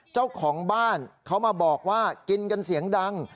เจ้าของบ้านเขามาบอกว่ากินกันเสียงดัง